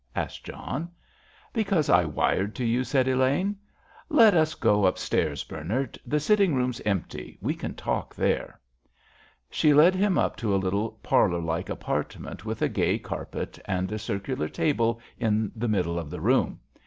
asked John. "Because I wired to you," said Elaine. "Let us go upstairs, Bernard. The sitting room's empty; we can talk there." She led him up to a little, parlour like apartment, with a gay carpet, and a circular table in the middle of the room.